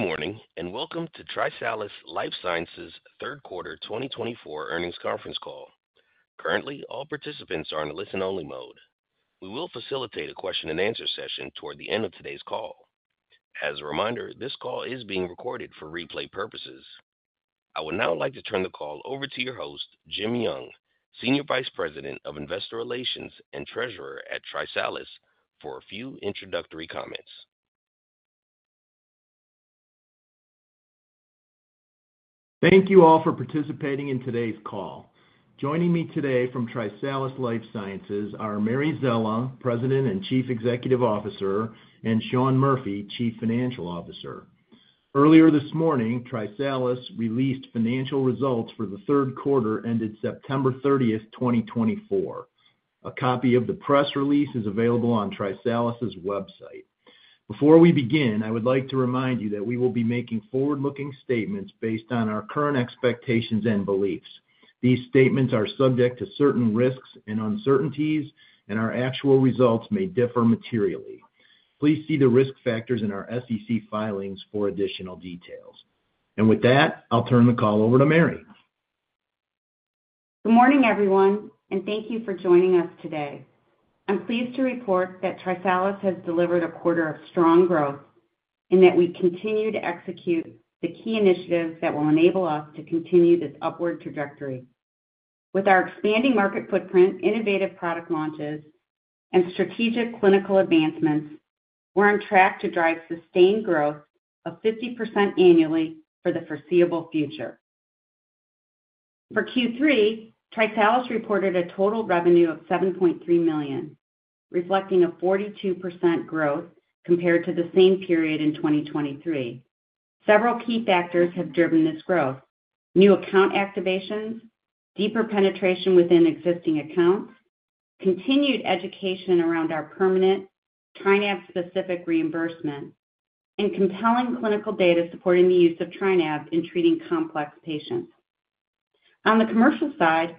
Good morning and welcome to TriSalus Life Sciences Third Quarter 2024 Earnings Conference Call. Currently, all participants are in a listen-only mode. We will facilitate a question-and-answer session toward the end of today's call. As a reminder, this call is being recorded for replay purposes. I would now like to turn the call over to your host, Jim Young, Senior Vice President of Investor Relations, and Treasurer at TriSalus, for a few introductory comments. Thank you all for participating in today's call. Joining me today from TriSalus Life Sciences are Mary Szela, President, and Chief Executive Officer, and Sean Murphy, Chief Financial Officer. Earlier this morning, TriSalus released financial results for the third quarter ended September 30th, 2024. A copy of the press release is available on TriSalus website. Before we begin, I would like to remind you that we will be making forward-looking statements based on our current expectations and beliefs. These statements are subject to certain risks and uncertainties, and our actual results may differ materially. Please see the risk factors in our SEC filings for additional details. With that, I'll turn the call over to Mary. Good morning, everyone, and thank you for joining us today. I'm pleased to report that TriSalus has delivered a quarter of strong growth and that we continue to execute the key initiatives that will enable us to continue this upward trajectory. With our expanding market footprint, innovative product launches, and strategic clinical advancements, we're on track to drive sustained growth of 50% annually for the foreseeable future. For Q3, TriSalus reported a total revenue of $7.3 million, reflecting a 42% growth compared to the same period in 2023. Several key factors have driven this growth: new account activations, deeper penetration within existing accounts, continued education around our permanent TriNav-specific reimbursement, and compelling clinical data supporting the use of TriNav in treating complex patients. On the commercial side,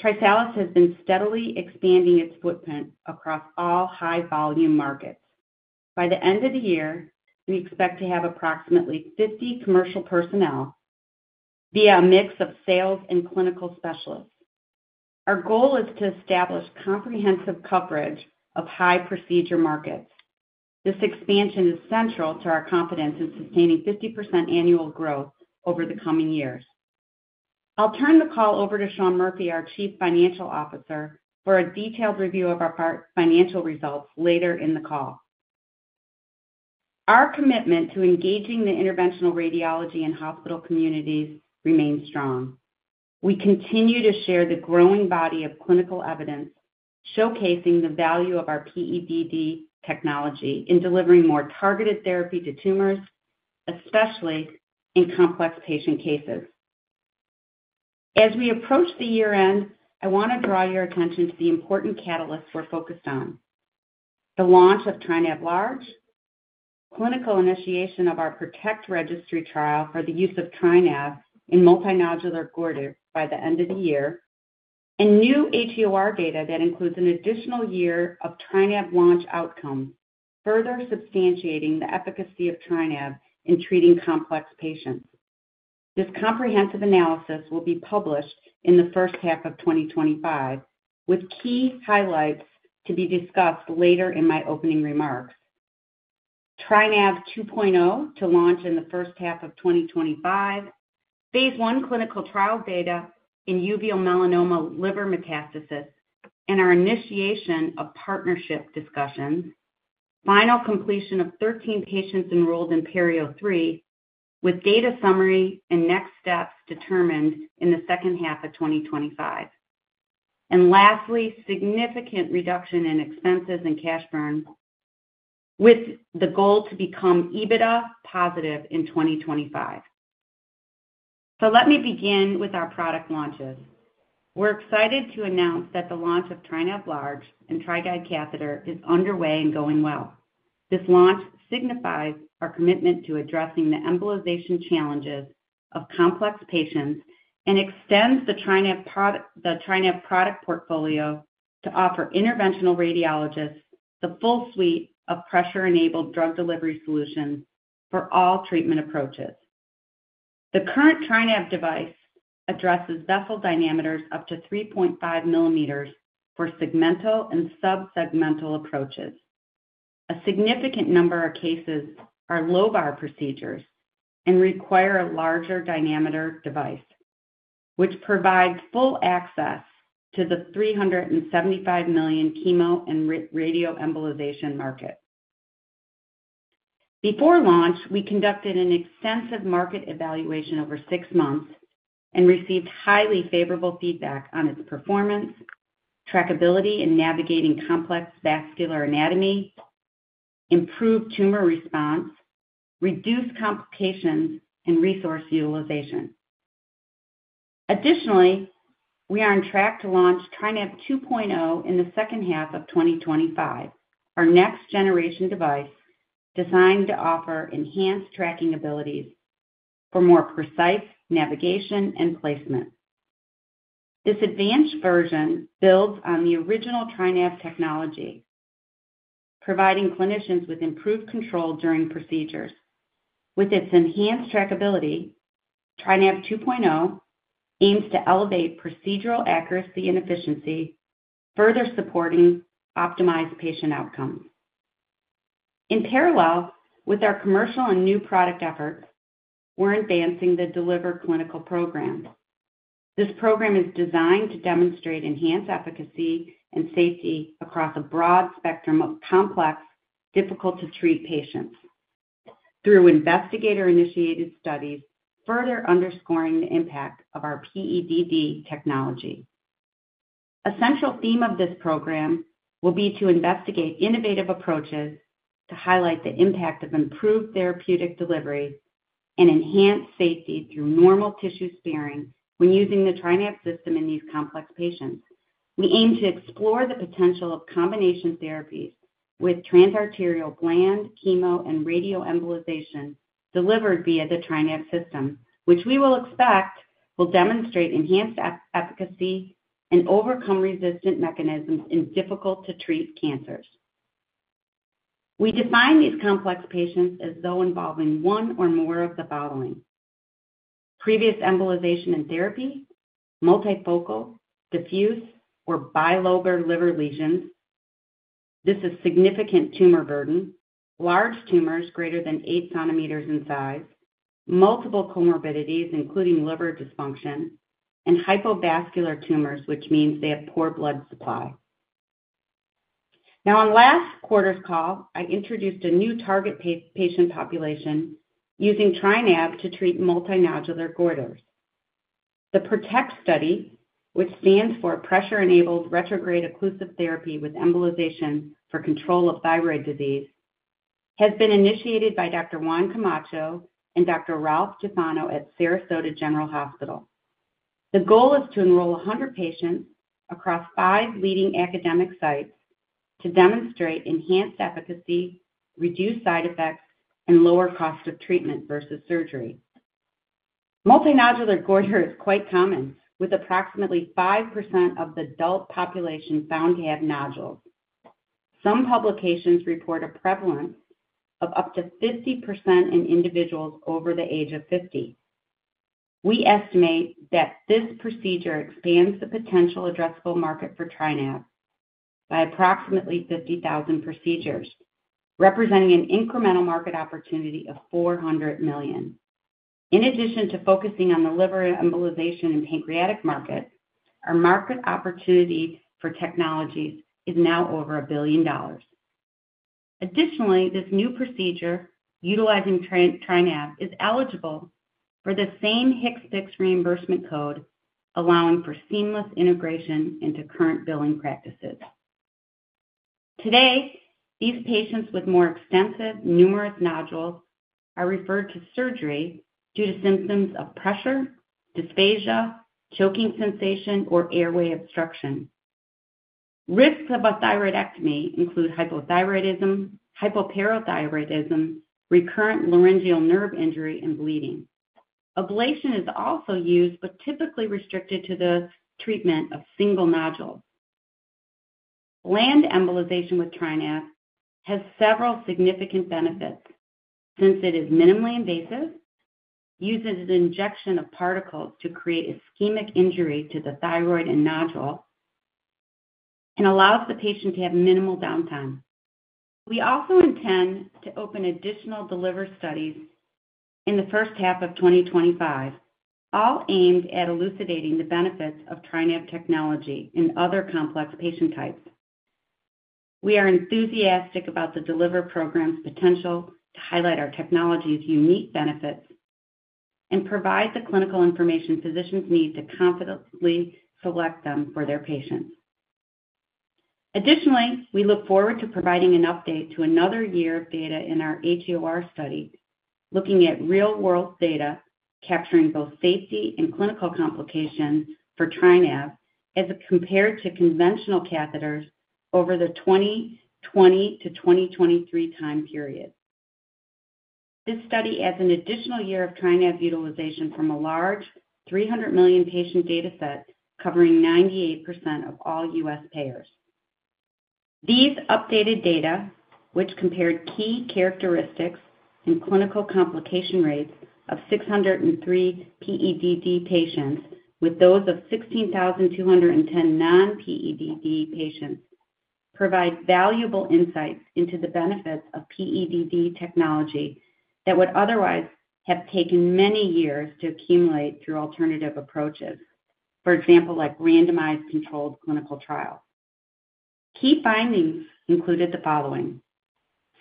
TriSalus has been steadily expanding its footprint across all high-volume markets. By the end of the year, we expect to have approximately 50 commercial personnel via a mix of sales and clinical specialists. Our goal is to establish comprehensive coverage of high-procedure markets. This expansion is central to our confidence in sustaining 50% annual growth over the coming years. I'll turn the call over to Sean Murphy, our Chief Financial Officer, for a detailed review of our financial results later in the call. Our commitment to engaging the interventional radiology and hospital communities remains strong. We continue to share the growing body of clinical evidence showcasing the value of our PEDD technology in delivering more targeted therapy to tumors, especially in complex patient cases. As we approach the year-end, I want to draw your attention to the important catalysts we're focused on: the launch of TriNav Large, clinical initiation of our PROTECT registry trial for the use of TriNav in multinodular goiters by the end of the year, and new HEOR data that includes an additional year of TriNav launch outcomes, further substantiating the efficacy of TriNav in treating complex patients. This comprehensive analysis will be published in the first half of 2025, with key highlights to be discussed later in my opening remarks. TriNav 2.0 to launch in the first half of 2025, phase I clinical trial data in Uveal melanoma liver metastasis, and our initiation of partnership discussions, final completion of 13 patients enrolled in PERIO-03, with data summary and next steps determined in the second half of 2025. Lastly, significant reduction in expenses and cash burn with the goal to become EBITDA positive in 2025. Let me begin with our product launches. We're excited to announce that the launch of TriNav Large and TriGuide Catheter is underway and going well. This launch signifies our commitment to addressing the embolization challenges of complex patients and extends the TriNav product portfolio to offer interventional radiologists the full suite of pressure-enabled drug delivery solutions for all treatment approaches. The current TriNav device addresses vessel diameters up to 3.5 millimeters for segmental and subsegmental approaches. A significant number of cases are lobar procedures and require a larger diameter device, which provides full access to the $375 million chemo and radioembolization market. Before launch, we conducted an extensive market evaluation over six months and received highly favorable feedback on its performance, trackability in navigating complex vascular anatomy, improved tumor response, reduced complications, and resource utilization. Additionally, we are on track to launch TriNav 2.0 in the second half of 2025, our next-generation device designed to offer enhanced tracking abilities for more precise navigation and placement. This advanced version builds on the original TriNav technology, providing clinicians with improved control during procedures. With its enhanced trackability, TriNav 2.0 aims to elevate procedural accuracy and efficiency, further supporting optimized patient outcomes. In parallel with our commercial and new product efforts, we're advancing the DELIVER clinical program. This program is designed to demonstrate enhanced efficacy and safety across a broad spectrum of complex, difficult-to-treat patients through investigator-initiated studies, further underscoring the impact of our PEDD technology. A central theme of this program will be to investigate innovative approaches to highlight the impact of improved therapeutic delivery and enhanced safety through normal tissue sparing when using the TriNav system in these complex patients. We aim to explore the potential of combination therapies with transarterial bland, chemo, and radioembolization delivered via the TriNav system, which we will expect will demonstrate enhanced efficacy and overcome resistant mechanisms in difficult-to-treat cancers. We define these complex patients as those involving one or more of the following: previous embolization and therapy, multifocal, diffuse, or bilobar liver lesions, this is significant tumor burden, large tumors greater than eight centimeters in size, multiple comorbidities, including liver dysfunction, and hypovascular tumors, which means they have poor blood supply. Now, on last quarter's call, I introduced a new target patient population using TriNav to treat multinodular goiters. The PROTECT study, which stands for Pressure Enabled Retrograde Occlusive Therapy with Embolization for Control of Thyroid Disease, has been initiated by Dr Juan Camacho and Dr Ralph Tufano at Sarasota Memorial Hospital. The goal is to enroll 100 patients across five leading academic sites to demonstrate enhanced efficacy, reduced side effects, and lower cost of treatment versus surgery. Multinodular goiter is quite common, with approximately 5% of the adult population found to have nodules. Some publications report a prevalence of up to 50% in individuals over the age of 50. We estimate that this procedure expands the potential addressable market for TriNav by approximately 50,000 procedures, representing an incremental market opportunity of $400 million. In addition to focusing on the liver embolization and pancreatic market, our market opportunity for technologies is now over $1 billion. Additionally, this new procedure utilizing TriNav is eligible for the same HCPCS reimbursement code, allowing for seamless integration into current billing practices. Today, these patients with more extensive, numerous nodules are referred to surgery due to symptoms of pressure, dysphagia, choking sensation, or airway obstruction. Risks of a thyroidectomy include hypothyroidism, hypoparathyroidism, recurrent laryngeal nerve injury, and bleeding. Ablation is also used, but typically restricted to the treatment of single nodules. Bland embolization with TriNav has several significant benefits since it is minimally invasive, uses injection of particles to create ischemic injury to the thyroid and nodule, and allows the patient to have minimal downtime. We also intend to open additional DELIVER studies in the first half of 2025, all aimed at elucidating the benefits of TriNav technology in other complex patient types. We are enthusiastic about the DELIVER program's potential to highlight our technology's unique benefits and provide the clinical information physicians need to confidently select them for their patients. Additionally, we look forward to providing an update to another year of data in our HEOR study, looking at real-world data capturing both safety and clinical complications for TriNav as compared to conventional catheters over the 2020 to 2023 time period. This study adds an additional year of TriNav utilization from a large 300 million patient data set covering 98% of all U.S. payers. These updated data, which compared key characteristics and clinical complication rates of 603 PEDD patients with those of 16,210 non-PEDD patients, provide valuable insights into the benefits of PEDD technology that would otherwise have taken many years to accumulate through alternative approaches, for example, like randomized controlled clinical trials. Key findings included the following: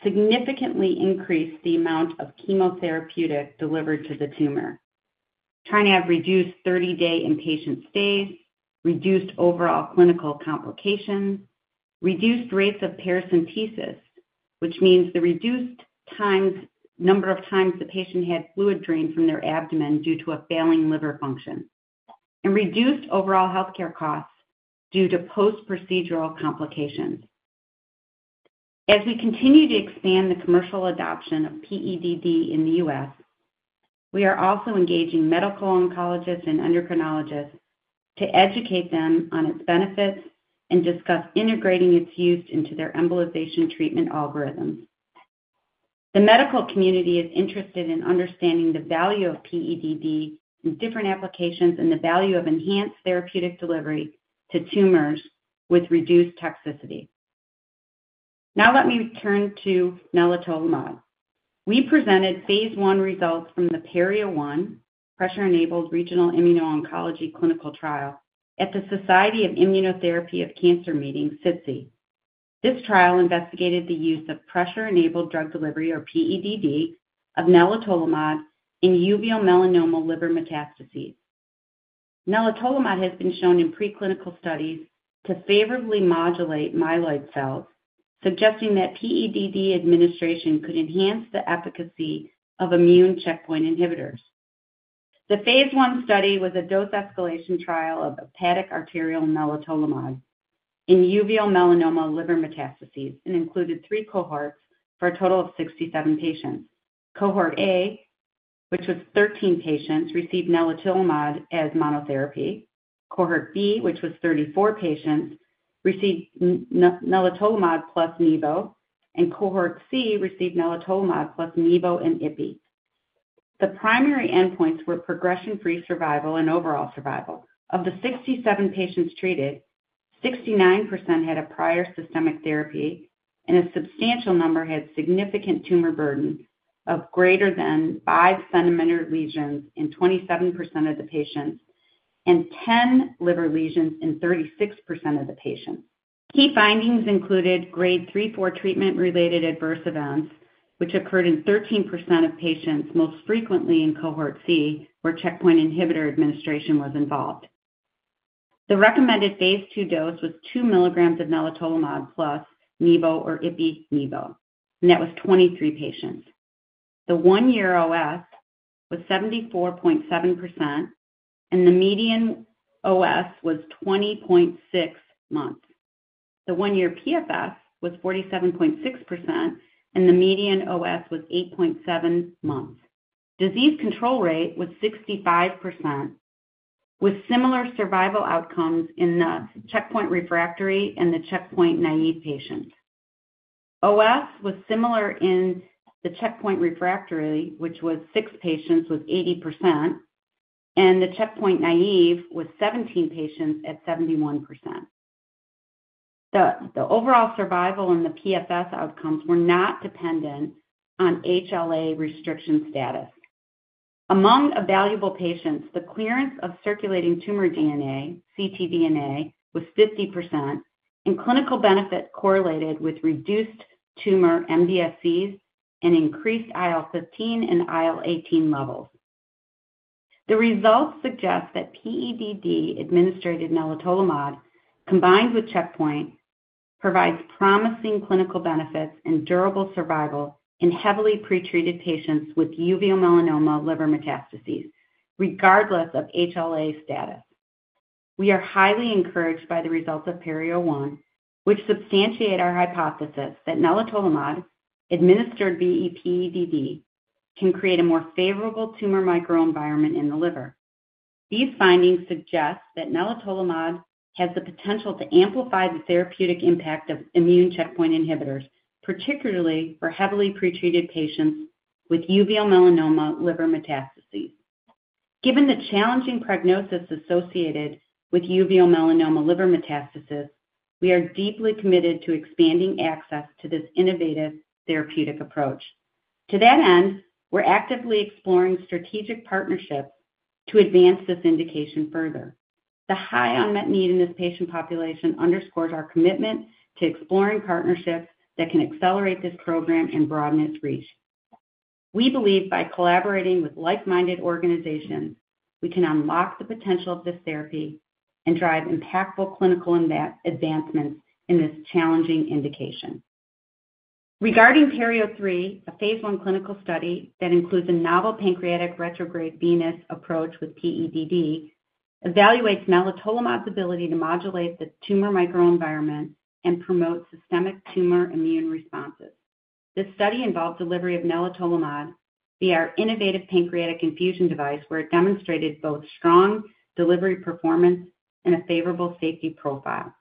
significantly increased the amount of chemotherapeutic delivered to the tumor. TriNav reduced 30-day inpatient stays, reduced overall clinical complications, reduced rates of paracentesis, which means the reduced number of times the patient had fluid drained from their abdomen due to a failing liver function, and reduced overall healthcare costs due to post-procedural complications. As we continue to expand the commercial adoption of PEDD in the US, we are also engaging medical oncologists and endocrinologists to educate them on its benefits and discuss integrating its use into their embolization treatment algorithms. The medical community is interested in understanding the value of PEDD in different applications and the value of enhanced therapeutic delivery to tumors with reduced toxicity. Now, let me turn to nelitolimod. We presented phase I results from the PERIO-01, Pressure-Enabled Regional Immuno-Oncology Clinical Trial at the Society for Immunotherapy of Cancer Meeting, SITC. This trial investigated the use of pressure-enabled drug delivery, or PEDD, of nelitolimod in uveal melanoma liver metastases. Nelitolimod has been shown in preclinical studies to favorably modulate myeloid cells, suggesting that PEDD administration could enhance the efficacy of immune checkpoint inhibitors. The phase I study was a dose escalation trial of hepatic arterial nelitolimod in uveal melanoma liver metastases and included three cohorts for a total of 67 patients. Cohort A, which was 13 patients, received nelitolimod as monotherapy. Cohort B, which was 34 patients, received nelitolimod plus nivo, and Cohort C received nelitolimod plus nivo and ipi. The primary endpoints were progression-free survival and overall survival. Of the 67 patients treated, 69% had a prior systemic therapy, and a substantial number had significant tumor burden of greater than five-centimeter lesions in 27% of the patients and 10 liver lesions in 36% of the patients. Key findings included grade 3, 4 treatment-related adverse events, which occurred in 13% of patients most frequently in Cohort C where checkpoint inhibitor administration was involved. The recommended phase II dose was 2 milligrams of nelitolimod plus nivo or ipi nivo, and that was 23 patients. The one-year OS was 74.7%, and the median OS was 20.6 months. The one-year PFS was 47.6%, and the median OS was 8.7 months. Disease control rate was 65%, with similar survival outcomes in the checkpoint refractory and the checkpoint naive patients. OS was similar in the checkpoint refractory, which was 6 patients with 80%, and the checkpoint naive was 17 patients at 71%. The overall survival and the PFS outcomes were not dependent on HLA restriction status. Among available patients, the clearance of circulating tumor DNA, ctDNA, was 50%, and clinical benefit correlated with reduced tumor MDSCs and increased IL-15 and IL-18 levels. The results suggest that PEDD administered nelitolimod combined with checkpoint provides promising clinical benefits and durable survival in heavily pretreated patients with uveal melanoma liver metastases, regardless of HLA status. We are highly encouraged by the results of PERIO-01, which substantiate our hypothesis that nelitolimod administered via PEDD can create a more favorable tumor microenvironment in the liver. These findings suggest that nelitolimod has the potential to amplify the therapeutic impact of immune checkpoint inhibitors, particularly for heavily pretreated patients with uveal melanoma liver metastases. Given the challenging prognosis associated with uveal melanoma liver metastasis, we are deeply committed to expanding access to this innovative therapeutic approach. To that end, we're actively exploring strategic partnerships to advance this indication further. The high unmet need in this patient population underscores our commitment to exploring partnerships that can accelerate this program and broaden its reach. We believe by collaborating with like-minded organizations, we can unlock the potential of this therapy and drive impactful clinical advancements in this challenging indication. Regarding PERIO-03, a phase I clinical study that includes a novel pancreatic retrograde venous approach with PEDD evaluates Nelitolimod's ability to modulate the tumor microenvironment and promote systemic tumor immune responses. This study involved delivery of Nelitolimod via our innovative pancreatic infusion device, where it demonstrated both strong delivery performance and a favorable safety profile.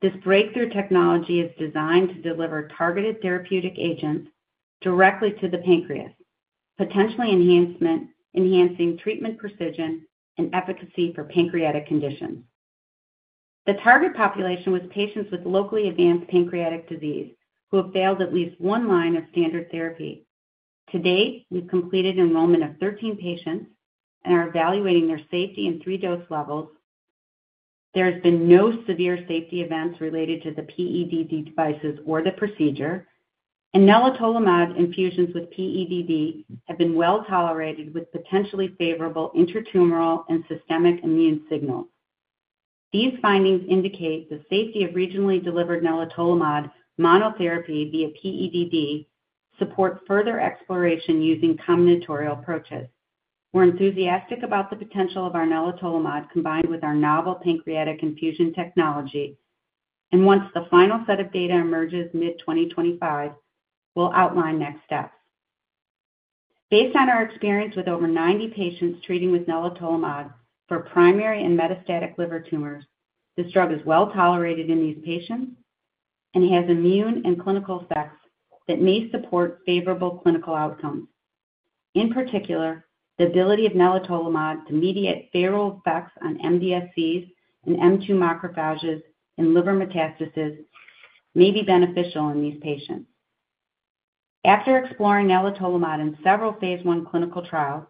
This breakthrough technology is designed to deliver targeted therapeutic agents directly to the pancreas, potentially enhancing treatment precision and efficacy for pancreatic conditions. The target population was patients with locally advanced pancreatic disease who have failed at least one line of standard therapy. To date, we've completed enrollment of 13 patients and are evaluating their safety in three dose levels. There has been no severe safety events related to the PEDD devices or the procedure, and Nelitolimod infusions with PEDD have been well tolerated with potentially favorable intratumoral and systemic immune signals. These findings indicate the safety of regionally delivered Nelitolimod monotherapy via PEDD supports further exploration using combinatorial approaches. We're enthusiastic about the potential of our nelitolimod combined with our novel pancreatic infusion technology, and once the final set of data emerges mid-2025, we'll outline next steps. Based on our experience with over 90 patients treating with nelitolimod for primary and metastatic liver tumors, this drug is well tolerated in these patients and has immune and clinical effects that may support favorable clinical outcomes. In particular, the ability of nelitolimod to mediate peripheral effects on MDSCs and M2 macrophages in liver metastases may be beneficial in these patients. After exploring nelitolimod in several phase I clinical trials,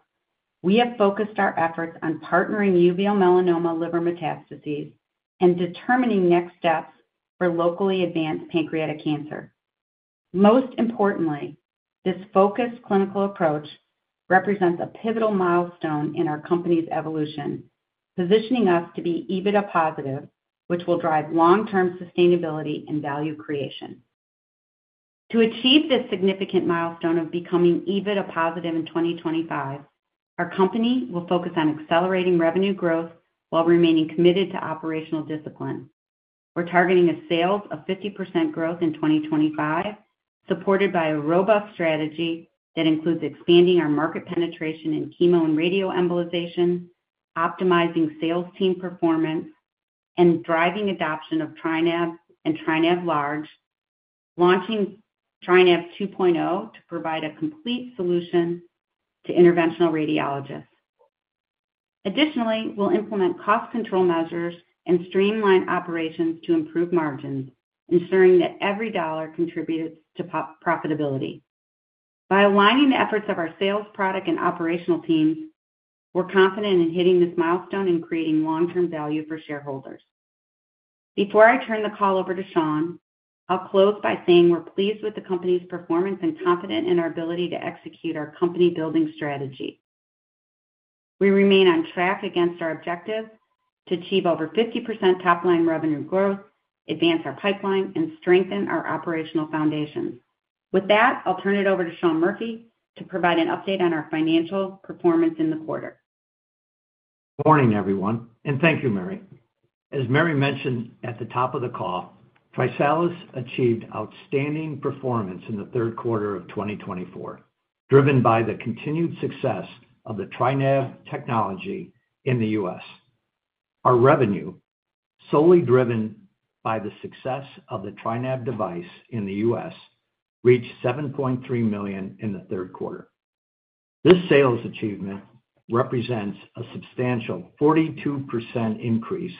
we have focused our efforts on pivoting to uveal melanoma liver metastases and determining next steps for locally advanced pancreatic cancer. Most importantly, this focused clinical approach represents a pivotal milestone in our company's evolution, positioning us to be EBITDA positive, which will drive long-term sustainability and value creation. To achieve this significant milestone of becoming EBITDA positive in 2025, our company will focus on accelerating revenue growth while remaining committed to operational discipline. We're targeting a sales of 50% growth in 2025, supported by a robust strategy that includes expanding our market penetration in chemo and radioembolization, optimizing sales team performance, and driving adoption of TriNav and TriNav Large, launching TriNav 2.0 to provide a complete solution to interventional radiologists. Additionally, we'll implement cost control measures and streamline operations to improve margins, ensuring that every dollar contributes to profitability. By aligning the efforts of our sales, product, and operational teams, we're confident in hitting this milestone and creating long-term value for shareholders. Before I turn the call over to Sean, I'll close by saying we're pleased with the company's performance and confident in our ability to execute our company-building strategy. We remain on track against our objectives to achieve over 50% top line revenue growth, advance our pipeline, and strengthen our operational foundations. With that, I'll turn it over to Sean Murphy to provide an update on our financial performance in the quarter. Good morning, everyone, and thank you, Mary. As Mary mentioned at the top of the call, TriSalus achieved outstanding performance in the third quarter of 2024, driven by the continued success of the TriNav technology in the U.S. Our revenue, solely driven by the success of the TriNav device in the U.S., reached $7.3 million in the third quarter. This sales achievement represents a substantial 42% increase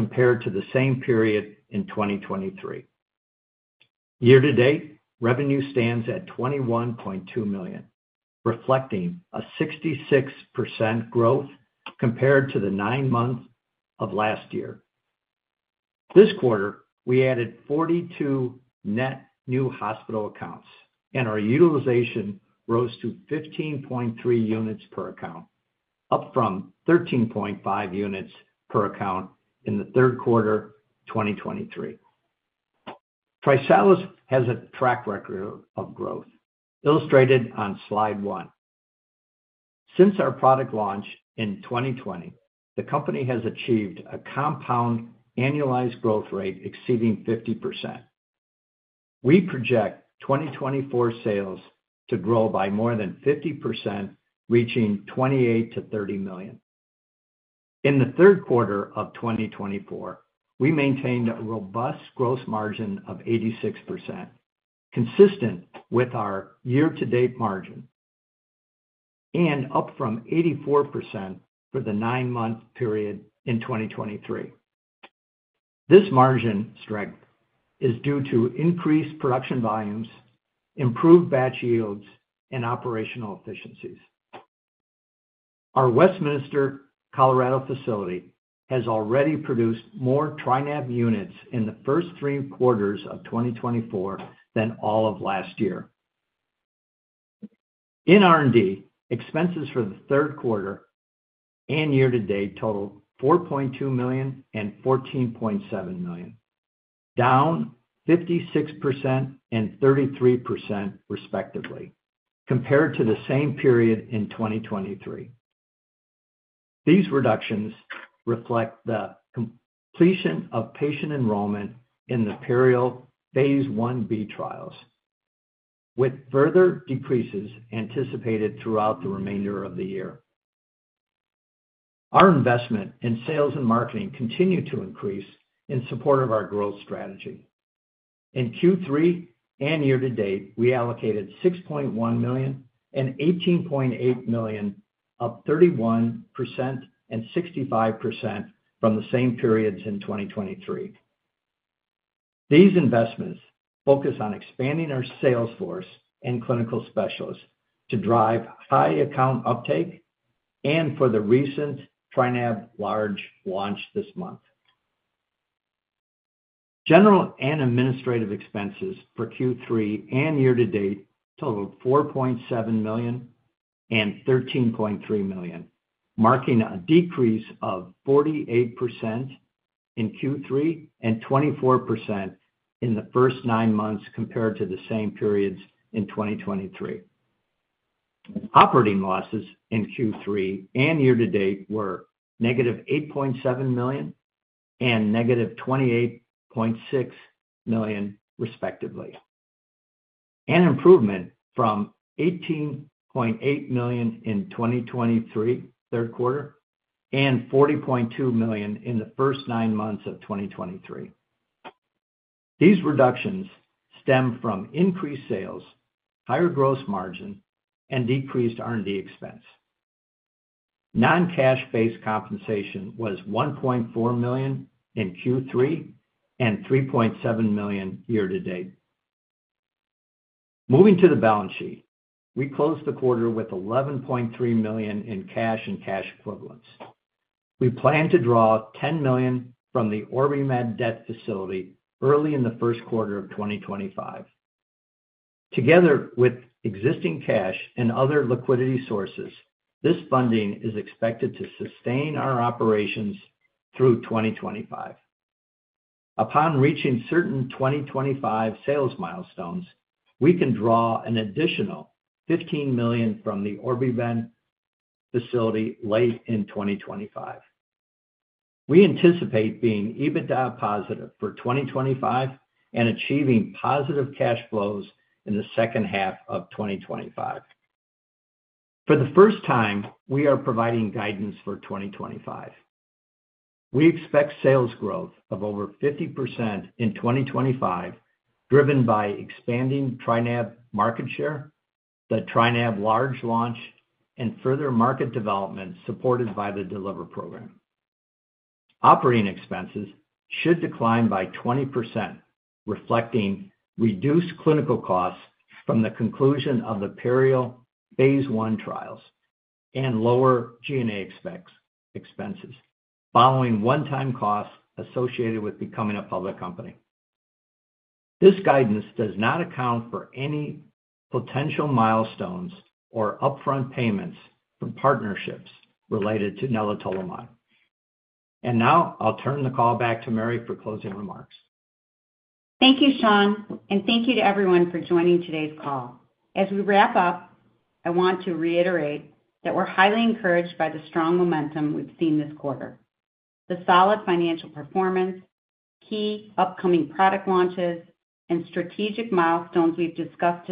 compared to the same period in 2023. Year-to-date, revenue stands at $21.2 million, reflecting a 66% growth compared to the nine months of last year. This quarter, we added 42 net new hospital accounts, and our utilization rose to 15.3 units per account, up from 13.5 units per account in the third quarter of 2023. TriSalus has a track record of growth, illustrated on slide one. Since our product launch in 2020, the company has achieved a compound annualized growth rate exceeding 50%. We project 2024 sales to grow by more than 50%, reaching $28-$30 million. In the third quarter of 2024, we maintained a robust gross margin of 86%, consistent with our year-to-date margin, and up from 84% for the nine-month period in 2023. This margin strength is due to increased production volumes, improved batch yields, and operational efficiencies. Our Westminster, Colorado facility has already produced more TriNav units in the first three quarters of 2024 than all of last year. In R&D, expenses for the third quarter and year-to-date totaled $4.2 million and $14.7 million, down 56% and 33%, respectively, compared to the same period in 2023. These reductions reflect the completion of patient enrollment in the PERIO Phase 1b trials, with further decreases anticipated throughout the remainder of the year. Our investment in sales and marketing continued to increase in support of our growth strategy. In Q3 and year-to-date, we allocated $6.1 million and $18.8 million, up 31% and 65% from the same periods in 2023. These investments focus on expanding our sales force and clinical specialists to drive high account uptake and for the recent TriNav Large launch this month. General and administrative expenses for Q3 and year-to-date totaled $4.7 million and $13.3 million, marking a decrease of 48% in Q3 and 24% in the first nine months compared to the same periods in 2023. Operating losses in Q3 and year-to-date were -$8.7 million and -$28.6 million, respectively, an improvement from $18.8 million in 2023 third quarter and $40.2 million in the first nine months of 2023. These reductions stem from increased sales, higher gross margin, and decreased R&D expense. Non-cash-based compensation was $1.4 million in Q3 and $3.7 million year-to-date. Moving to the balance sheet, we closed the quarter with $11.3 million in cash and cash equivalents. We plan to draw $10 million from the OrbiMed facility early in the first quarter of 2025. Together with existing cash and other liquidity sources, this funding is expected to sustain our operations through 2025. Upon reaching certain 2025 sales milestones, we can draw an additional $15 million from the OrbiMed facility late in 2025. We anticipate being EBITDA positive for 2025 and achieving positive cash flows in the second half of 2025. For the first time, we are providing guidance for 2025. We expect sales growth of over 50% in 2025, driven by expanding TriNav market share, the TriNav Large launch, and further market development supported by the DELIVER program. Operating expenses should decline by 20%, reflecting reduced clinical costs from the conclusion of the PERIO phase I trials and lower G&A expenses following one-time costs associated with becoming a public company. This guidance does not account for any potential milestones or upfront payments from partnerships related to Nelitolimod. And now I'll turn the call back to Mary for closing remarks. Thank you, Sean, and thank you to everyone for joining today's call. As we wrap up, I want to reiterate that we're highly encouraged by the strong momentum we've seen this quarter. The solid financial performance, key upcoming product launches, and strategic milestones we've discussed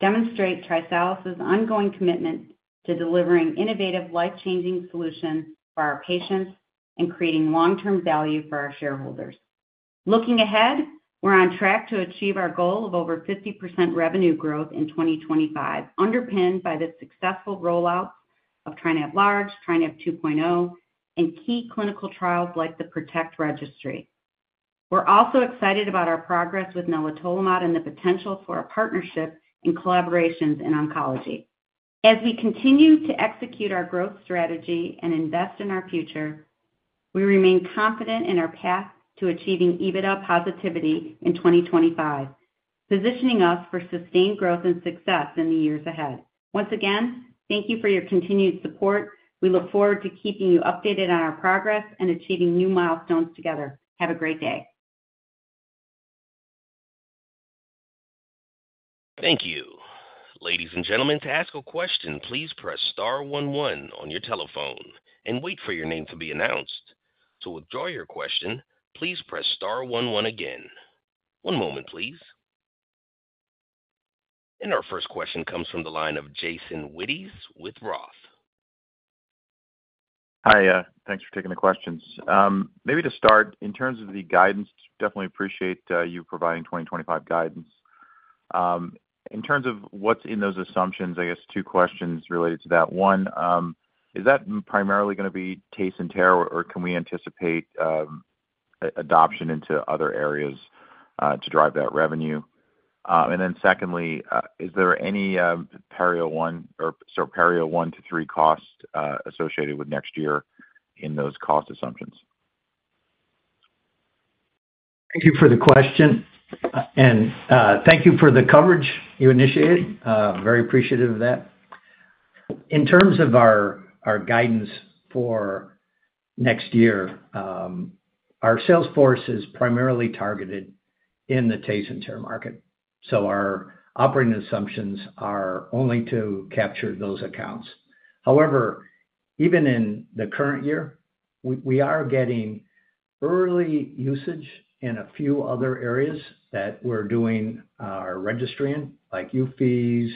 today demonstrate TriSalus's ongoing commitment to delivering innovative, life-changing solutions for our patients and creating long-term value for our shareholders. Looking ahead, we're on track to achieve our goal of over 50% revenue growth in 2025, underpinned by the successful rollouts of TriNav Large, TriNav 2.0, and key clinical trials like the PROTECT registry. We're also excited about our progress with nelitolimod and the potential for our partnership and collaborations in oncology. As we continue to execute our growth strategy and invest in our future, we remain confident in our path to achieving EBITDA positivity in 2025, positioning us for sustained growth and success in the years ahead. Once again, thank you for your continued support. We look forward to keeping you updated on our progress and achieving new milestones together. Have a great day. Thank you. Ladies and gentlemen, to ask a question, please press star 11 on your telephone and wait for your name to be announced. To withdraw your question, please press star 11 again. One moment, please. And our first question comes from the line of Jason Wittes with Roth. Hi, thanks for taking the questions. Maybe to start, in terms of the guidance, definitely appreciate you providing 2025 guidance. In terms of what's in those assumptions, I guess two questions related to that. One, is that primarily going to be Tace and Tare, or can we anticipate adoption into other areas to drive that revenue? And then secondly, is there any PERIO-01 to 03 cost associated with next year in those cost assumptions? Thank you for the question, and thank you for the coverage you initiated. Very appreciative of that. In terms of our guidance for next year, our sales force is primarily targeted in Tace and Tare market. So our operating assumptions are only to capture those accounts. However, even in the current year, we are getting early usage in a few other areas that we're doing our registry in, like lieu fees.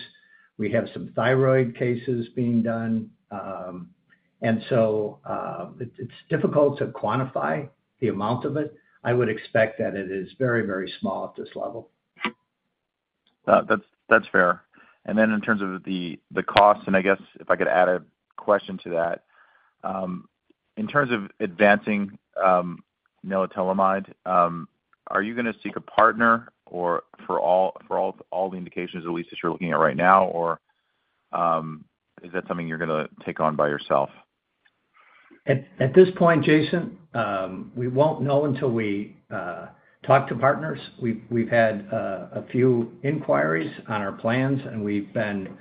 We have some thyroid cases being done. And so it's difficult to quantify the amount of it. I would expect that it is very, very small at this level. That's fair. And then in terms of the cost, and I guess if I could add a question to that, in terms of advancing nelitolimod, are you going to seek a partner for all the indications, at least as you're looking at right now, or is that something you're going to take on by yourself? At this point, Jason, we won't know until we talk to partners. We've had a few inquiries on our plans, and we've been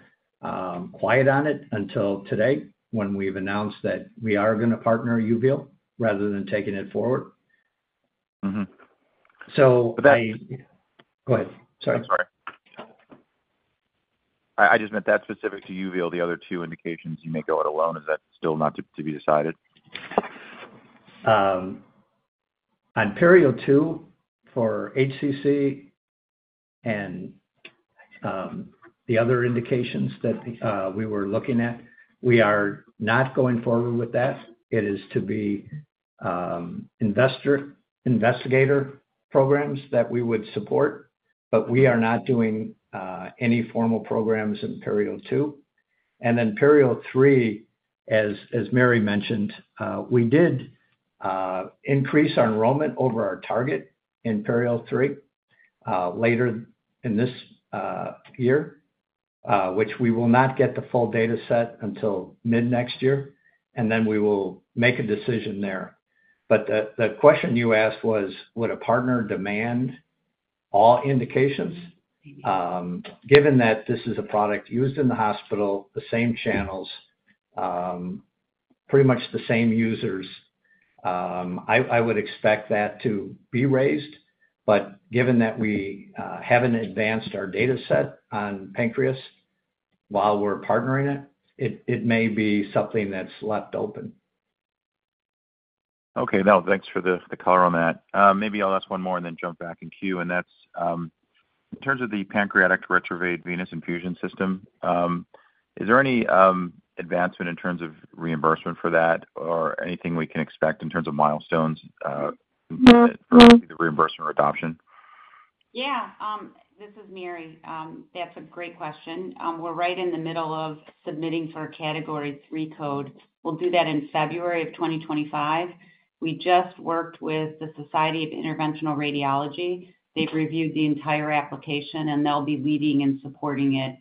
quiet on it until today when we've announced that we are going to partner uveal rather than taking it forward. So go ahead. Sorry. That's all right. I just meant that specific to uveal. The other two indications you may go it alone. Is that still not to be decided? On PERIO-02 for HCC and the other indications that we were looking at, we are not going forward with that. It is to be investigator programs that we would support, but we are not doing any formal programs in PERIO-02. And then PERIO-03, as Mary mentioned, we did increase our enrollment over our target in PERIO-03 later in this year, which we will not get the full data set until mid-next year, and then we will make a decision there. But the question you asked was, would a partner demand all indications? Given that this is a product used in the hospital, the same channels, pretty much the same users, I would expect that to be raised. But given that we haven't advanced our data set on pancreas while we're partnering it, it may be something that's left open. Okay. No, thanks for the color on that. Maybe I'll ask one more and then jump back in queue. And that's in terms of the Pancreatic Retrograde Venous Infusion System. Is there any advancement in terms of reimbursement for that or anything we can expect in terms of milestones for the reimbursement or adoption? Yeah. This is Mary. That's a great question. We're right in the middle of submitting for a Category three code. We'll do that in February of 2025. We just worked with the Society of Interventional Radiology. They've reviewed the entire application, and they'll be leading and supporting it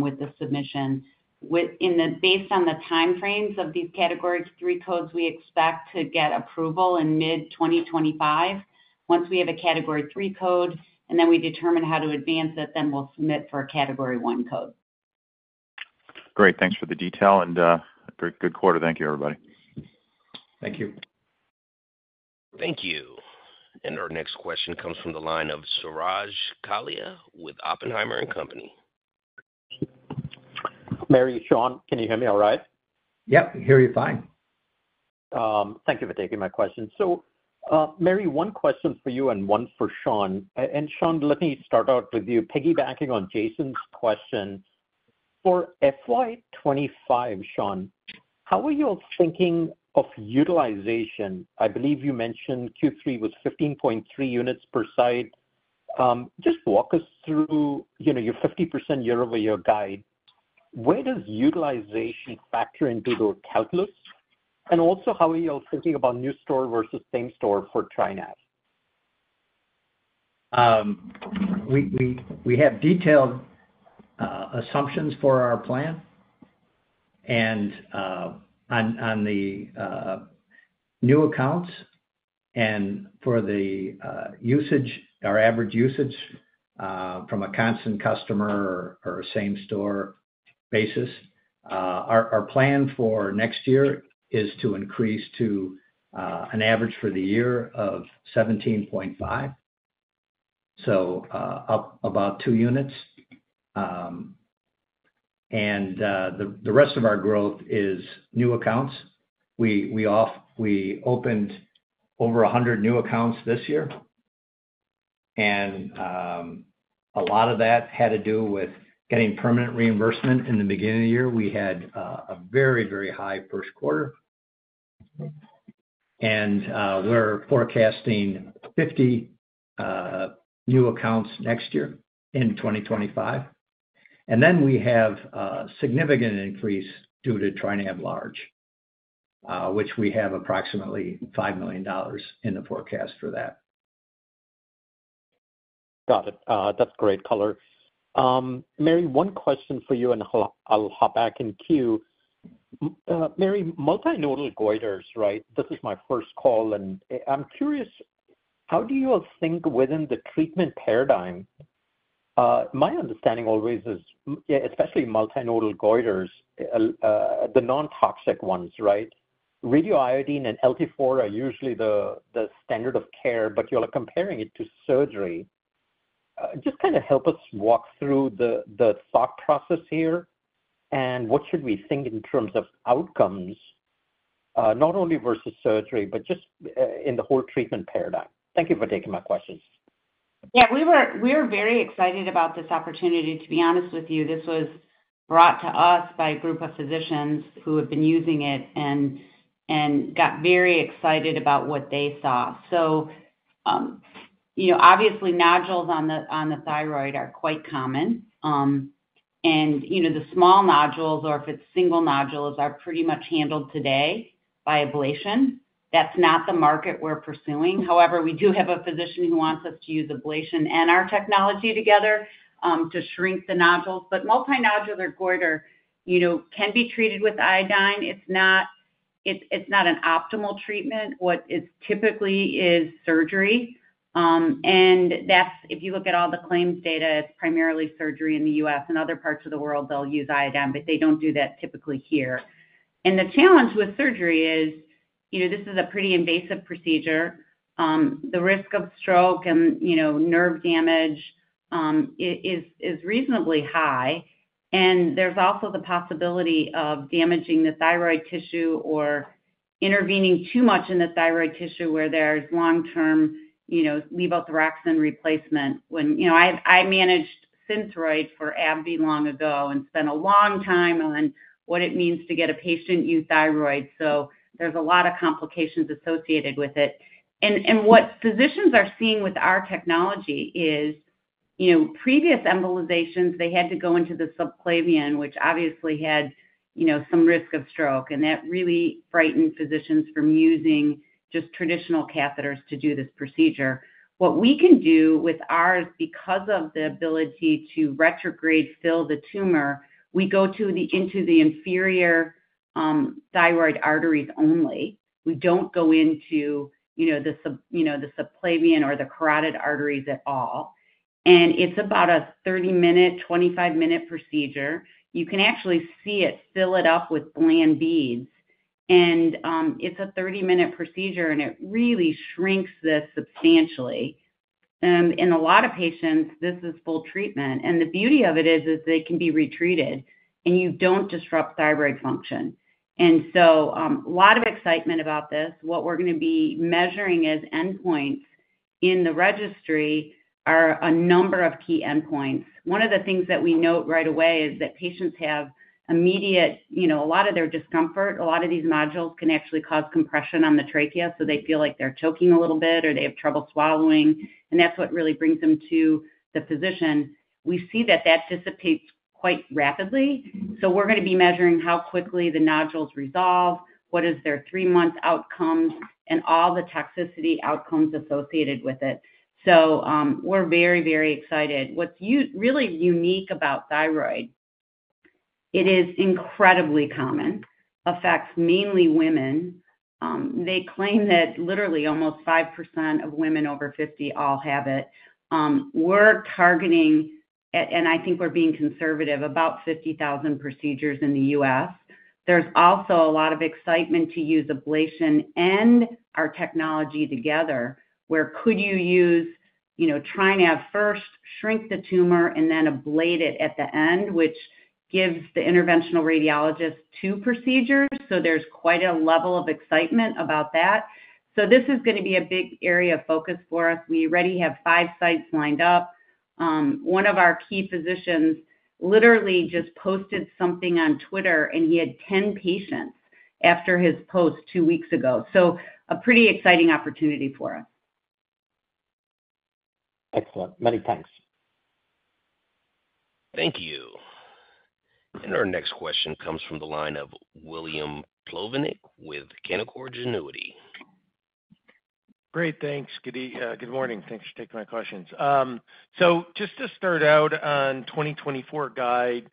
with the submission. Based on the timeframes of these category three codes, we expect to get approval in mid-2025 once we have a Category three code, and then we determine how to advance it. Then we'll submit for a Category one code. Great. Thanks for the detail. And a very good quarter. Thank you, everybody. Thank you. Thank you. And our next question comes from the line of Suraj Kalia with Oppenheimer & Company. Mary, Sean, can you hear me all right? Yep. Hear you fine. Thank you for taking my question. So, Mary, one question for you and one for Sean. And Sean, let me start out with you, piggybacking on Jason's question., For FY25, Sean, how are you all thinking of utilization? I believe you mentioned Q3 was 15.3 units per site. Just walk us through your 50% year-over-year guide. Where does utilization factor into those calculus? And also, how are you all thinking about new store versus same store for TriNav? We have detailed assumptions for our plan. And on the new accounts and for the usage, our average usage from a constant customer or same store basis, our plan for next year is to increase to an average for the year of 17.5, so up about two units. And the rest of our growth is new accounts. We opened over 100 new accounts this year, and a lot of that had to do with getting permanent reimbursement in the beginning of the year. We had a very, very high first quarter, and we're forecasting 50 new accounts next year in 2025. And then we have a significant increase due to TriNav Large, which we have approximately $5 million in the forecast for that. Got it. That's great color. Mary, one question for you, and I'll hop back in queue. Mary, multinodular goiters, right? This is my first call, and I'm curious, how do you all think within the treatment paradigm? My understanding always is, especially multinodular goiters, the non-toxic ones, right? Radioiodine and LT4 are usually the standard of care, but you're comparing it to surgery. Just kind of help us walk through the thought process here, and what should we think in terms of outcomes, not only versus surgery, but just in the whole treatment paradigm? Thank you for taking my questions. Yeah. We were very excited about this opportunity, to be honest with you. This was brought to us by a group of physicians who have been using it and got very excited about what they saw, so obviously, nodules on the thyroid are quite common, and the small nodules, or if it's single nodules, are pretty much handled today by ablation. That's not the market we're pursuing. However, we do have a physician who wants us to use ablation and our technology together to shrink the nodules, but multinodular goiter can be treated with iodine. It's not an optimal treatment. What it typically is surgery. And if you look at all the claims data, it's primarily surgery in the US. In other parts of the world, they'll use iodine, but they don't do that typically here. And the challenge with surgery is this is a pretty invasive procedure. The risk of stroke and nerve damage is reasonably high. And there's also the possibility of damaging the thyroid tissue or intervening too much in the thyroid tissue where there's long-term levothyroxine replacement. I managed Synthroid for AbbVie long ago and spent a long time on what it means to get a patient euthyroid. So there's a lot of complications associated with it. And what physicians are seeing with our technology is previous embolizations, they had to go into the subclavian, which obviously had some risk of stroke, and that really frightened physicians from using just traditional catheters to do this procedure. What we can do with ours, because of the ability to retrograde fill the tumor, we go into the inferior thyroid arteries only. We don't go into the subclavian or the carotid arteries at all. And it's about a 30-minute, 25-minute procedure. You can actually see it fill it up with bland beads. And it's a 30-minute procedure, and it really shrinks this substantially. In a lot of patients, this is full treatment. And the beauty of it is they can be retreated, and you don't disrupt thyroid function. And so a lot of excitement about this. What we're going to be measuring as endpoints in the registry are a number of key endpoints. One of the things that we note right away is that patients have immediate a lot of their discomfort. A lot of these nodules can actually cause compression on the trachea, so they feel like they're choking a little bit or they have trouble swallowing, and that's what really brings them to the physician. We see that that dissipates quite rapidly, so we're going to be measuring how quickly the nodules resolve, what is their three-month outcomes, and all the toxicity outcomes associated with it, so we're very, very excited. What's really unique about thyroid, it is incredibly common, affects mainly women. They claim that literally almost 5% of women over 50 all have it. We're targeting, and I think we're being conservative, about 50,000 procedures in the US. There's also a lot of excitement to use ablation and our technology together, where could you use TriNav first, shrink the tumor, and then ablate it at the end, which gives the interventional radiologist two procedures. So there's quite a level of excitement about that. So this is going to be a big area of focus for us. We already have five sites lined up. One of our key physicians literally just posted something on Twitter, and he had 10 patients after his post two weeks ago. So a pretty exciting opportunity for us. Excellent. Many thanks. Thank you. And our next question comes from the line of William Plovanic with Canaccord Genuity. Great. Thanks. Good morning. Thanks for taking my questions. So just to start out, on 2024 guide,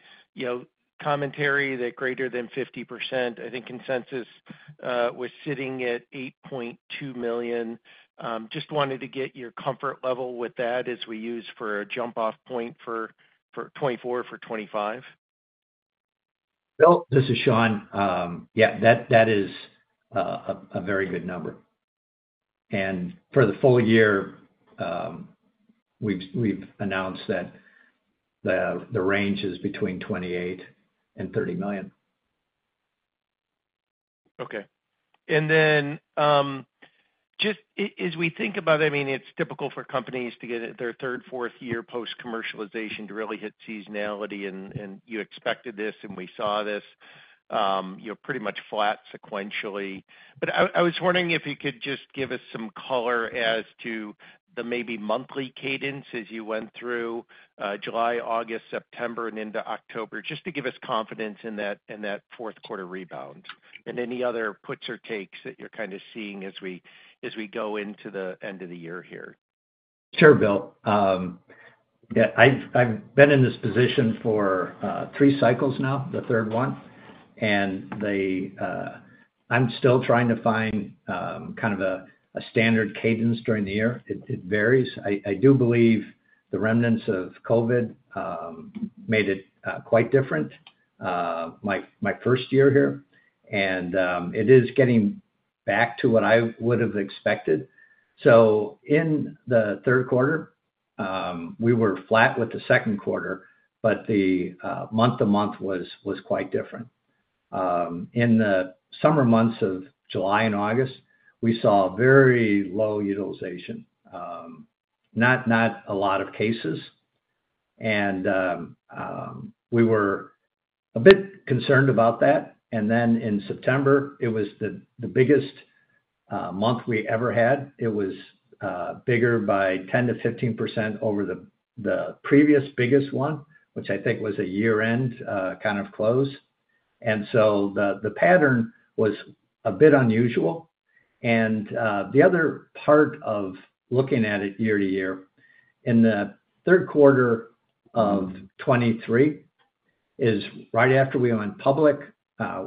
commentary that greater than 50%, I think consensus was sitting at $8.2 million. Just wanted to get your comfort level with that as we use for a jump-off point for 2024 or for 2025. Well, this is Sean. Yeah, that is a very good number. For the full year, we've announced that the range is between $28 million and $30 million. Okay. Then just as we think about it, I mean, it's typical for companies to get their third, fourth year post-commercialization to really hit seasonality, and you expected this, and we saw this, pretty much flat sequentially. But I was wondering if you could just give us some color as to the maybe monthly cadence as you went through July, August, September, and into October, just to give us confidence in that fourth quarter rebound. Any other puts or takes that you're kind of seeing as we go into the end of the year here? Sure, Bill. I've been in this position for three cycles now, the third one. I'm still trying to find kind of a standard cadence during the year. It varies. I do believe the remnants of COVID made it quite different, my first year here. And it is getting back to what I would have expected. So in the third quarter, we were flat with the second quarter, but the month-to-month was quite different. In the summer months of July and August, we saw very low utilization, not a lot of cases. And we were a bit concerned about that. And then in September, it was the biggest month we ever had. It was bigger by 10%-15% over the previous biggest one, which I think was a year-end kind of close. And so the pattern was a bit unusual. And the other part of looking at it year to year, in the third quarter of 2023, is right after we went public,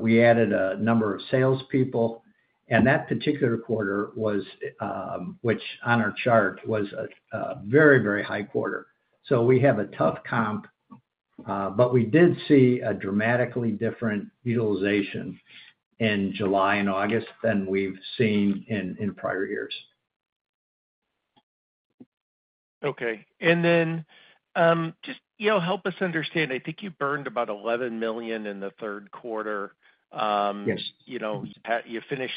we added a number of salespeople. That particular quarter, which on our chart was a very, very high quarter. So we have a tough comp, but we did see a dramatically different utilization in July and August than we've seen in prior years. Okay. And then just help us understand. I think you burned about $11 million in the third quarter. You finished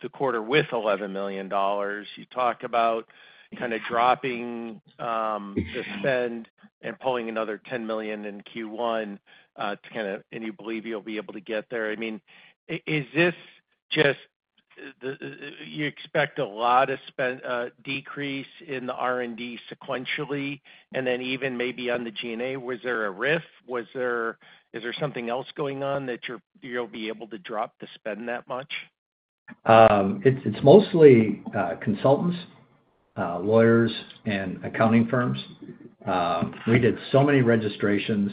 the quarter with $11 million. You talk about kind of dropping the spend and pulling another $10 million in Q1. And you believe you'll be able to get there. I mean, is this just you expect a lot of decrease in the R&D sequentially and then even maybe on the G&A? Was there a rift? Is there something else going on that you'll be able to drop the spend that much? It's mostly consultants, lawyers, and accounting firms. We did so many registrations.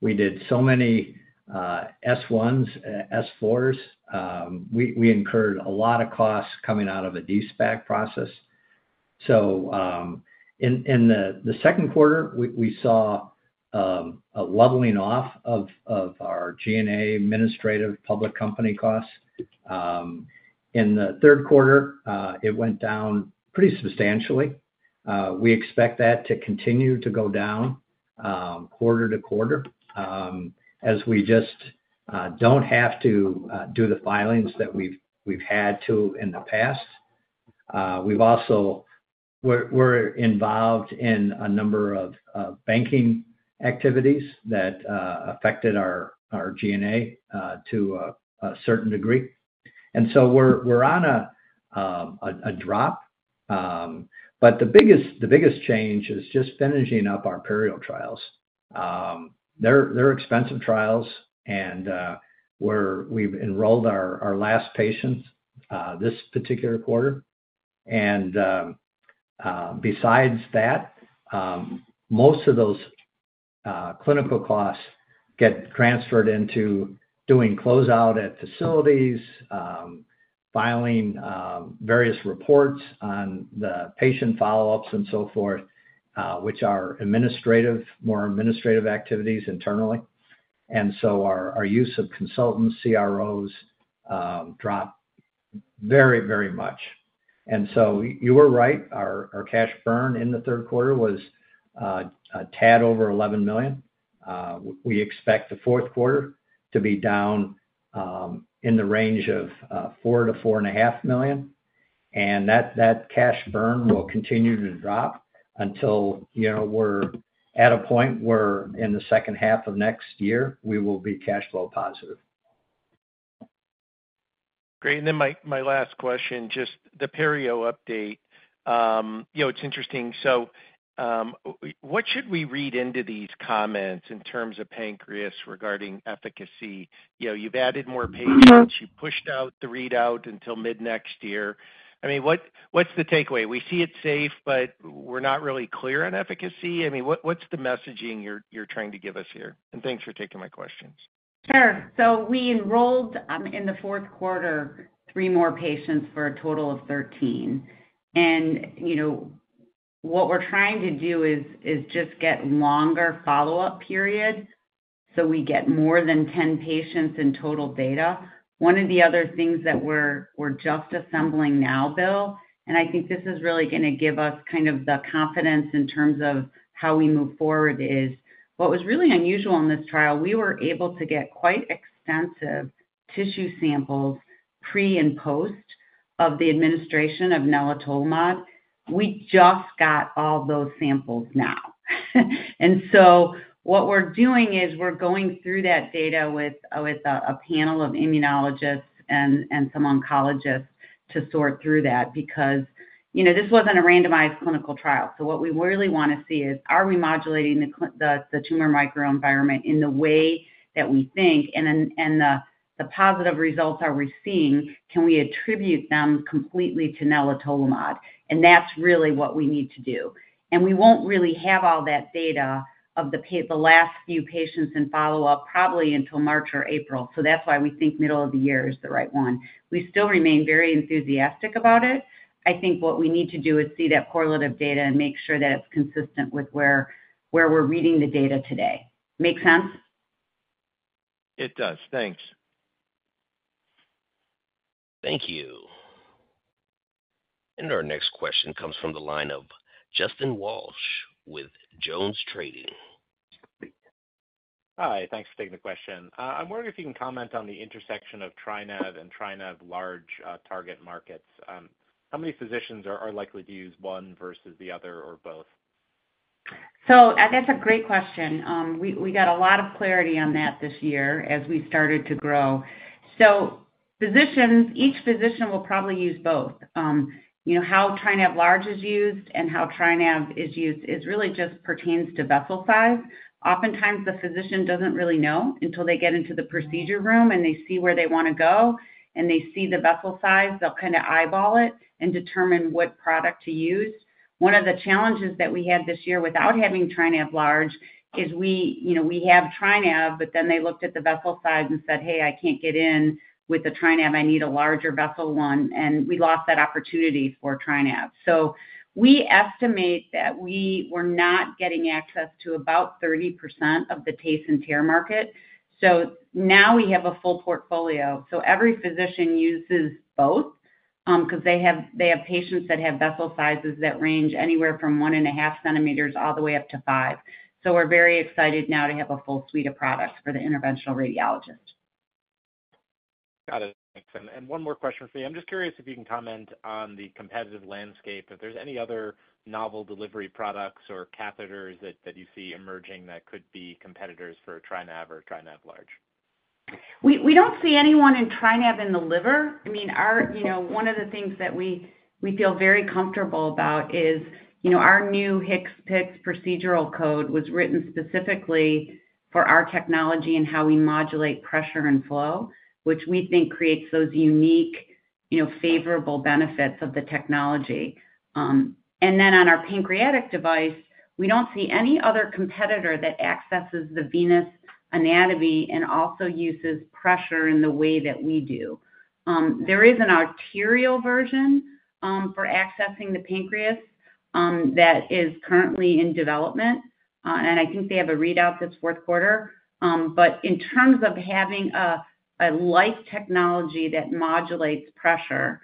We did so many S-1s, S-4s. We incurred a lot of costs coming out of a de-SPAC process. So in the second quarter, we saw a leveling off of our G&A administrative public company costs. In the third quarter, it went down pretty substantially. We expect that to continue to go down quarter-to-quarter as we just don't have to do the filings that we've had to in the past. We're involved in a number of banking activities that affected our G&A to a certain degree. And so we're on a drop. But the biggest change is just finishing up our PERIO trials. They're expensive trials, and we've enrolled our last patients this particular quarter. And besides that, most of those clinical costs get transferred into doing closeout at facilities, filing various reports on the patient follow-ups and so forth, which are more administrative activities internally. And so our use of consultants, CROs drop very, very much. And so you were right. Our cash burn in the third quarter was a tad over $11 million. We expect the fourth quarter to be down in the range of $4-$4.5 million. And that cash burn will continue to drop until we're at a point where in the second half of next year, we will be cash flow positive. Great. And then my last question, just the PERIO update. It's interesting. So what should we read into these comments in terms of pancreas regarding efficacy? You've added more patients. You pushed out the readout until mid-next year. I mean, what's the takeaway? We see it safe, but we're not really clear on efficacy. I mean, what's the messaging you're trying to give us here? And thanks for taking my questions. Sure. So we enrolled in the fourth quarter three more patients for a total of 13. And what we're trying to do is just get a longer follow-up period so we get more than 10 patients in total data. One of the other things that we're just assembling now, Bill, and I think this is really going to give us kind of the confidence in terms of how we move forward, is what was really unusual in this trial, we were able to get quite extensive tissue samples pre and post of the administration of nelitolimod. We just got all those samples now. And so what we're doing is we're going through that data with a panel of immunologists and some oncologists to sort through that because this wasn't a randomized clinical trial. So what we really want to see is, are we modulating the tumor microenvironment in the way that we think? And the positive results are we seeing, can we attribute them completely to nelitolimod? And that's really what we need to do. And we won't really have all that data of the last few patients in follow-up probably until March or April. So that's why we think middle of the year is the right one. We still remain very enthusiastic about it. I think what we need to do is see that correlative data and make sure that it's consistent with where we're reading the data today. Makes sense? It does. Thanks. Thank you. And our next question comes from the line of Justin Walsh with JonesTrading. Hi. Thanks for taking the question. I'm wondering if you can comment on the intersection of TriNav and TriNav Large target markets. How many physicians are likely to use one versus the other or both? So that's a great question. We got a lot of clarity on that this year as we started to grow. So each physician will probably use both. How TriNav Large is used and how TriNav is used really just pertains to vessel size. Oftentimes, the physician doesn't really know until they get into the procedure room and they see where they want to go and they see the vessel size, they'll kind of eyeball it and determine what product to use. One of the challenges that we had this year without having TriNav Large is we have TriNav, but then they looked at the vessel size and said, "Hey, I can't get in with the TriNav. I need a larger vessel one." And we lost that opportunity for TriNav. We estimate that we were not getting access to about 30% of the TACE and TARE market. Now we have a full portfolio. Every physician uses both because they have patients that have vessel sizes that range anywhere from 1.5 centimeters all the way up to 5. We're very excited now to have a full suite of products for the interventional radiologist. Got it. And one more question for you. I'm just curious if you can comment on the competitive landscape, if there's any other novel delivery products or catheters that you see emerging that could be competitors for TriNav or TriNav Large. We don't see anyone in TriNav in the liver. I mean, one of the things that we feel very comfortable about is our new HCPCS procedural code, which was written specifically for our technology and how we modulate pressure and flow, which we think creates those unique favorable benefits of the technology. And then on our pancreatic device, we don't see any other competitor that accesses the venous anatomy and also uses pressure in the way that we do. There is an arterial version for accessing the pancreas that is currently in development. And I think they have a readout this fourth quarter. But in terms of having a like technology that modulates pressure,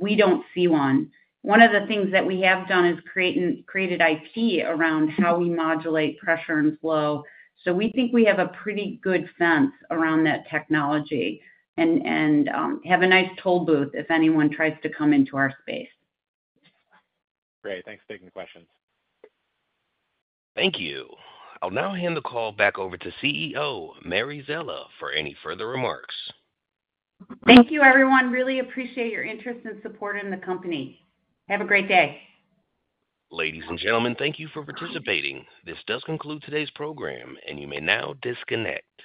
we don't see one. One of the things that we have done is created IP around how we modulate pressure and flow. So we think we have a pretty good sense around that technology and have a nice toll booth if anyone tries to come into our space. Great. Thanks for taking the questions. Thank you. I'll now hand the call back over to CEO, Mary Szela, for any further remarks. Thank you, everyone. Really appreciate your interest and support in the company. Have a great day. Ladies and gentlemen, thank you for participating. This does conclude today's program, and you may now disconnect.